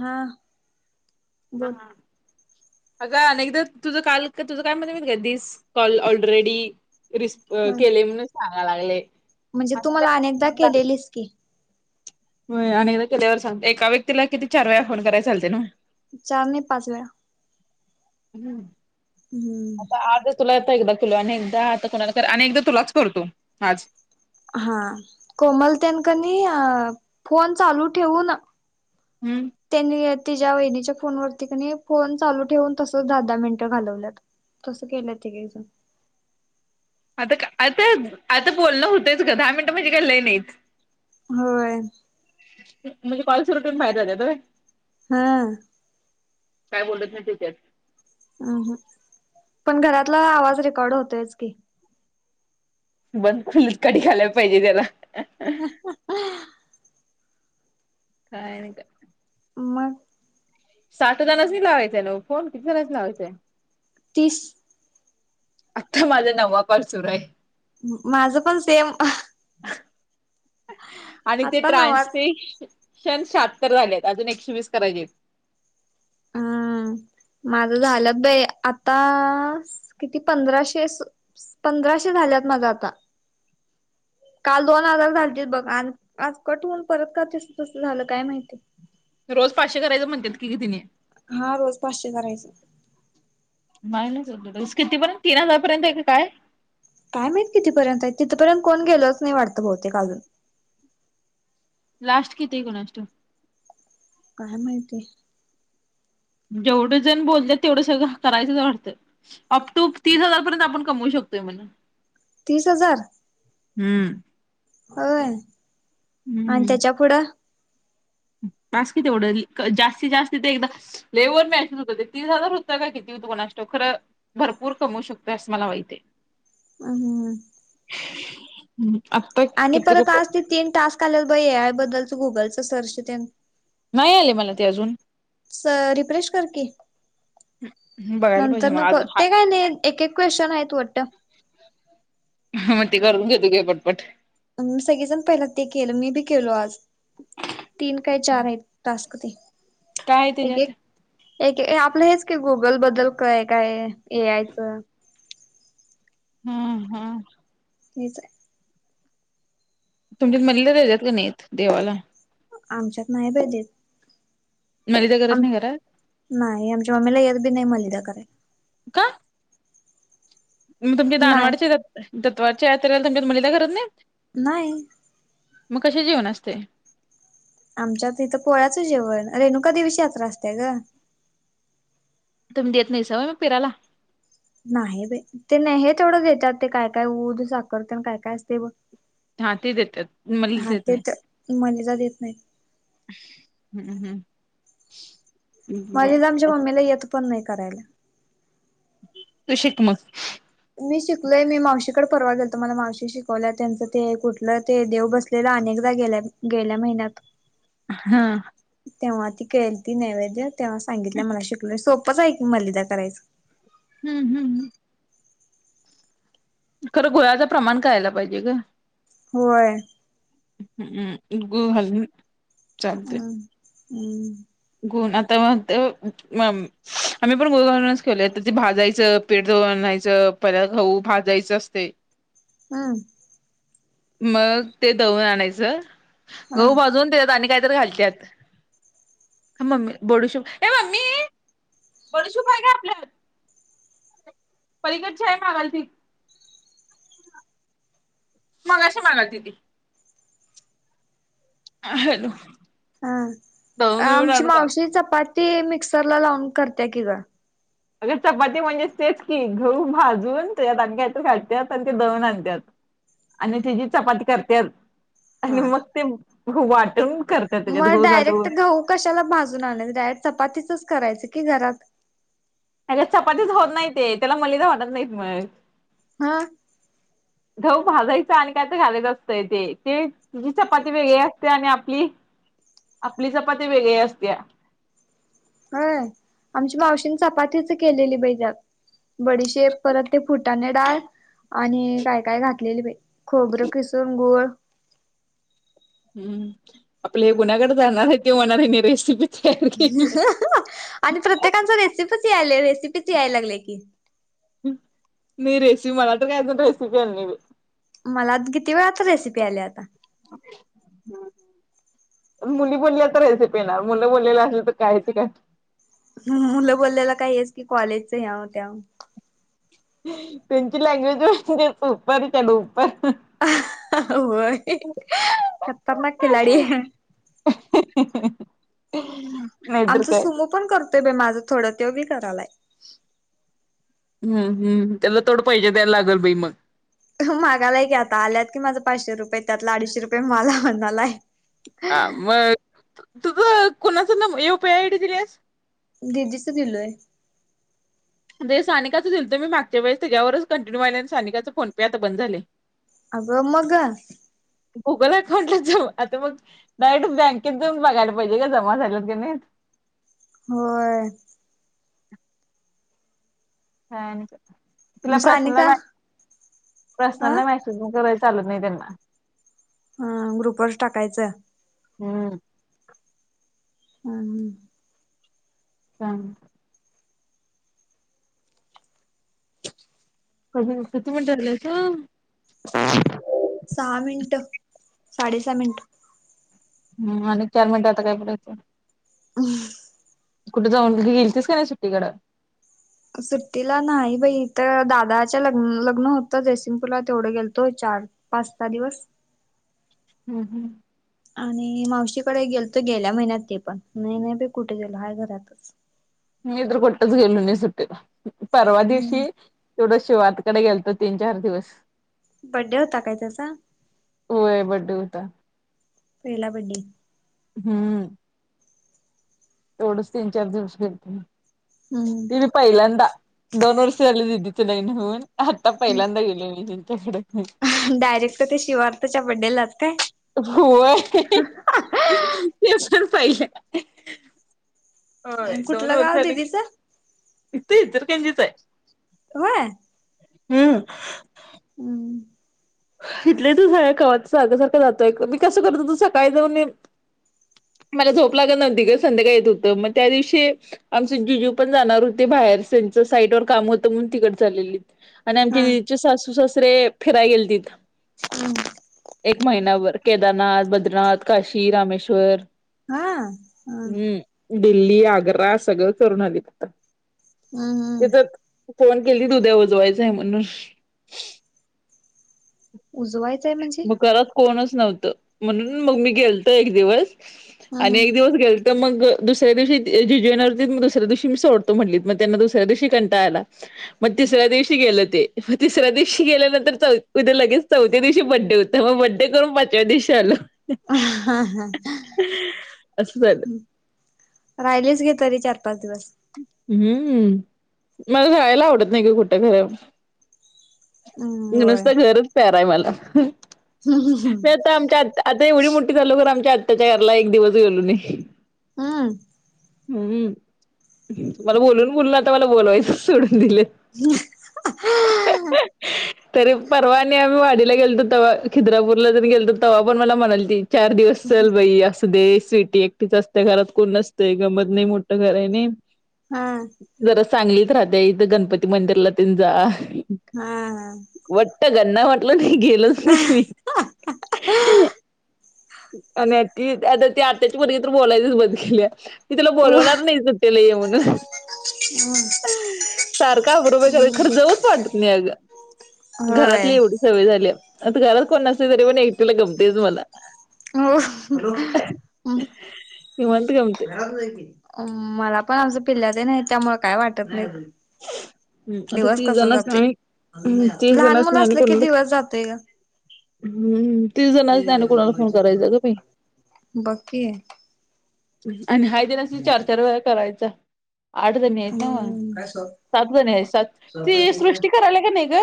हा. बोल हा. अगं अनेकदा तुझं काल तुझं काय म्हणत का दिस कॉल ऑलरेडी. रिस् ह केले म्हणून सांगाय लागले. म्हणजे तु मला अनेकदा केलेलीस की. होय अनेकदा केल्यावर सांगत. एका व्यक्तीला किती चार वेळा फोन कराय चालते ना. चार नाही पाच वेळा. हम्म आता हम्म आज तुला एकदा एकदा ह कोणाला आणि एकदा तुलाच करतो आज. हा कोमल त्यान कणी फोन चालू ठेवून हम्म त्यांनी तिच्या् वहिणीच्या फोन वरती कनी फोन चालू ठेवून तसच दहा दहा मिनिटं घालवल्यात. तसं केल्यात एकेकजण. आता, आता, आता बोलणं होतेच ग. दहा मिनटं म्हणजे काय लई नाहीच. होय. म्हणजे कॉलेज सुरू ठेवून बाहेर जातात होय. हा. काय बोलत नाही ते त्यात. हा हा. पण घरातला आवाज रेकॉर्ड होतोयच की. बंद खोलीत घालायला पाहिजे त्याला. काय ह हा हा. काय का मग. साठ जणांनी लावायचं आहे नवं फोन किती जणांनी लावायचं? तीस. आता माझा नववा कॉल सुरू आहे. माझं पण सेम. आणि ते आता नवाच ट्रानसफ ्षण शहात्तर झालेत अजून एकशे वीस करायचे आहेत. हम्म माझं झालेत बाई आता किती पंधराशे पंधराशे झाल्यात माझ आता. काल दोन हजार झालतीत बघ आणि आज कट होन परत का तसं तसं झालं काय माहिती. रोज पाचशे करायचं म्हणतात की ग त्यांनी. हा रोज पाचशे करायचं. मायनसस कितीपर्यंत तीन हजार पर्यंत आहे का काय? काय माहित कितीपर्यंत आहेत तिथपर्यंत कोण गेलच नाही वाटतं बहुतेक का अजून. लास्ट किती कोणास ठाऊक. काय माहिती. जेवढं जण बोलत तेवढ सगळं करायचंच वाटतं. अप टू तीस हजार पर्यंत आपण कमवू शकतो. होते म्हण. तीस हजार हम्म होय आणि त्याच्या पुढं मास कि तेवढं जास्तीत जास्त ते एकदा लेवर मेसेज होत ते तीस हजार होत का किती. कोणास ठाऊक भरपूर कमवू शकतो असं माहिती आहे. अंह. हम्म. आणि परत आज ते तीन टास्क आले बाई ॲप बद्दलच गुगलचं सर्च. नाही आले मला ते अजून. स रिफ्रेश कर की. हं, बघायला पाहिजे नंतर मग न अजून हाय ते काय नाही एक एक क्वेश्चन आहेत वाटत. म ते करून घे पटपट.. सगळेजण पहिला ते केलं मी बी केलो आज तीन काय चार आहे तास. काय त्याच्यात? एक आपलं हेच की गुगल बद्दल काय काय ए यचं. हम्म हम्म हेच आहे. तुमच्या मणला देतात की नाही का नाहीत देवाला. आमच्यात नाही बाई देत. मलिदा करत आम नाही घरात नाही आमच्या माम्मीला यत बी नाही मलिदा करायला. का मग तुमचे नाही दानवाडचे दतवाडच्या यात्रला तुमच्या मंदीला करत नाही. नाही मग कसे जीवन असते आमच्यात इथं पोळ्याच जेवण रेणुका देवीची यात्रा असतेय ग तुम्ही देत नाही स मग फिराला नाही बाई ते हे तथोडं देतात ते काय काय उद साखर तेकाय काय असते बघ हा ते देतात मलिदा हा देत ते तर मनीला देत नाहीत हम्म हम्म मलिदा तर आमच्या मम्मीला येत पण नाही करायला तू शिक मग मी शिकलोय मी मावशीकडे परवा गेल तर मला मावशी शिकवल्या त्यांचं ते कुठलं ते देव बसलेलं अनेक गेल्या गेल्या महिन्यात हा तेव्हा ती केलती ती नैवेद्य तेव्हा सांगितल्या मला शिकल सोपंच आहे की मलिदा करायचं हम्म हम्म हम् खरं गोळ्याचं प्रमाण कळायला पाहिजे ग होय हम्म् गो हज हम हम् ग आता मग आम्ही पण गोगार्डनच केेवलं त्या भाजायच पे [unintelligible] पर भाजायचं असते हम्म मग ते दळून आणायचं हा गहू भाजून देत आणि काय घालत्यात आम्ही बडीशोप ए मम्मी बडीशोप हाय का आपल्यात परगतच्या आहे मगल त [unintelligible] मगाशी मागायला ती ह हॅलो दळून हा बिळून आमची आणू काय मावशी चपाती मिक्सरला लावून करते की ग अग चपाती म्हणजेच तेच की गहू भाजून त्याच्यात आणि काहीतरी घालत्यात आणि ते दळून आणतात आणि त्याची चपाती हा करत्यातआणि मग ते वाटून करत्यात त्याच्यात मग गुळ घालून डायरेक्ट गहू कशाला भाजून आणायचं डायरेक्ट चपातीचच करायचं की घरात अगं चपातीच होत नाही ते त्याला मलिदा वाटत नाहीत मग हा गहू भाजायच आणि काय तर घालायच असतंय ते तिची चपाती वेगळी असते आणि आप आपली चपाती वेगळी असते होय आमच्या मावशीने चपातीच केलेली बाई त्यात बडीशेप परत ते फुट फुटाणे डाळ आणि काय काय घातलेली बाई खोबरं किसून गूळ हम्म आपले गुन्ह्याकडे जाणार आहे ते होणार आहे रेसिपी [unintelligible] केल्या. आणि प्रत्येकच रेसिपीच यायले रेसिपीच याय लागले की बडीशेप परत ते फु मला आधी किती वेळाता रेसिपी आली आता हम्म हम् मुली बोलल्या तर रायचे पेणार मुलं बोललेला असेल तर कायच का [unintelligible] मुलं बोललेला काही आहे की कॉलेजच ह्याव त्याव त्यांची लँग्वेज उपर से डुपर होय खतरनाक खिलाडी ह आमचं सुमो पण करतोय बे माझं थोडं तो बी करालाय हम् हम्म त्याला थोडं पैसे द्यायला लागल बाई मग मागालाय की आता आल्यात की माझं पाचशे रुपये त्यातला अडीचशे रुपये मला म्हणणाला आहे हा मग तुझं कणाचं यूपीआय आयडी दिलेस दीदीचं दिलय ते सानिकाचं दिल तो मी मागच्या वेळेस त्याच्यावरच कंटिन्यू आले आणि सानिकाचे फोन पे आता बंद झाले अग मग गुगल अकाउंटला जा आता मग डायरेक्ट बँकेत जाऊन बघायला पाहिजे का जमा झालेत काी नाही [inaudible] होय तुला मग सानिका प्रश्नाला हा प्रश्नाला मॅसेज कराच चालत नाही त्यांना हा ग्रुप वरच टाकायचं हम्म हम् हम् हा कधी किती मिनिट झालंय का सहा मिनट साडे सहा मिनट हम आणि चार मिनिटं आता काय बरायचं हम्म कुठे जाऊन गेलतीस का नाही सुट्टीकडं सुट्टीला नाही बाई तर दादाच्या लग्न लग्न होतं जयसिंगपूरला तेवढं गेलतो च च पाच सहा दिवस हम्म हम्म आणि मावशीकडे गेलो तो गेल्या महिन्यात ते पण नाही नाही ब कुठे गेलो हाय घरातच मी तरर कुठच गेलो नाही सुटी परवा हम्म दिवशी तेवड शिवातकडे गेलतो तीन चार दिवस बड्डे होता काय त्याचा होय बड्डे होता पहिला बर्थडे हम्म तेवढच तीन चार दिवस गेल त मी हम्म त मी पहिलांदा दोन वर्ष झाले दिदिचं लग्न होऊन. आता पहिल्यांदा गेले मी त्यांच्याकडे. डायरेक्ट तर ते शिवार्थच्या बड्डेलाच काय? हो ते पण पाहिलं. हो दोन कुठलं वर्ष गाव झालं दिदीचं की इथे इचलकरंजीत. होय. हम्म. हम्म इथलेच का साग सारखं जातोय मी कसं करतो तो सकाळी जाऊन मला झोप लागत नव्हती का संध्याकाळ येत होतं, मग त्या दिवशी आमचे जीूजीू पण जाणार होते बा बाहेर त्यांचं साइटवर काम होतं तिकड चालले आणि आमचे हा दिदीचे सासू सासरे फिराय गेल तिथ. हम्म एक महिनाभर केदारनाथ, बद्रनाथ, काशी, रामेश्वर हा हम. हम्म दिल्ली, आग्रा, सगळं करून आलेत तिथं. हम् हम्. फोन केली उद्या उजवायचंय म्हणून. उजवय मग घरात कोणच नव्हतं म्हणून मग मी गेलते एक दिवस. आणि हम्म एक दिवस गेलत मग दुसऱ्या दिवशी जिजू येणार होती मग दुसऱ्या दिवशी मी सोडतो म्हटलीत मग त्यांना दुसऱ्या दिवशी कंटाला आला. मग तिसऱ्या दिवशी गेल ते मग तिसऱ्या दिवशी गेल्यानंतर चौे लगेच चौथ्या दिवशी बडडे देवता मग बड्डे करून पाचव्या दिवशी आलो. हम्म. असं झालं. राहिलेच घे तरी चार पाच दिवस. हम्म मला जाळायला आवडत नाही का कुठं खर. हम्म होय. नुसतं घरच प्यारा हाय मला. म आता आमच्या आ आता एवढी मोठी झालकर आमच्या आत त्याच्या घरला एक दिवस गेलो नाही. हा. हम्म तु मला बोलून बोलल आता मला बोलवायचंच सोडून दिले. [inaudible] तरी परवा आणि आम्ही वाडीला गेलतो तेव खिद्रापूरला जण गेलतो तेव्हा पण मला म्हणालती चार दिवस चल बाय असं. ध स्विटी एकटीच असत्या घरात कोण नसतंय गमत नाही मोठं घर आहे नाही. हा. सांगलीतच राहते इथं गणपती मंदिरला तीन जा. हा हम. गन्ना म्हटलं नाही गेलोच नाही. मी आणि ती आता त्या त्याची मुलगी पण बोलायची बंद केल्या. की तुला होय. बोलवणार नाही सुट्टीला ये म्हणून. सारखा बरोबर ख खर जाऊच वाटत नाही अगं. घरातली एवढी सवय झाल्या. आता घरात कोण नसली तरी पण एकटीला गमतेच मला. हो निवांत गमतय घरात जाय कि. मला पण आता पिल्याती नाहीत त्यामुळे काय वाटत नाही. हम् आता दिवस ती कसा जण स् जातोय. ती लहान जण स् मुलं नाही आणि असलं को की दिवस जातोय ग हम् तिस जणच त्याने कुणाला फोन करायचा ग बाई? बघ की. आणि हाय दिनास चार चार व करायचा आठ जणी आहेत नव्हं. हम्म सात जणी आहे सात त सृष्टी करायला का नाही ग?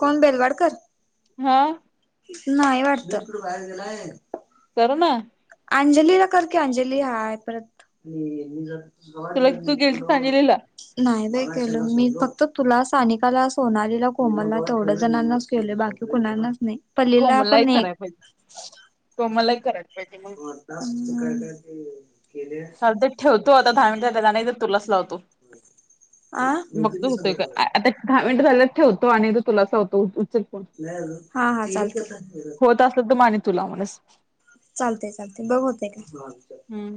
कोण बेलवाडकर हा. नाही आहे वाटतड बाला. कर ना. अंजलीला करकी अंजली हाय परत. तुला तू गेलतीस अंजलीला नाहील मी फक्त तुला स्थानिकाला सोनालीला कोमरला तेवढं जणांनाच केले बाकी कुणानाच नाही पल्लाप कोमलला एक न कराय पाहिजे. कोमलला एक करायला पाहिजे मग हो आता काय काय ते चाल ते ठेवतो आता दहा मिनिटात त्या नाही तर तुलाच लावतो. बघत आ होतय का आता झा ठेवतो आणि त तुलासा होत. ि हा हा चालतय होत असल तर माने तुला म्हणच चालते चालते बघ होते का? हम्म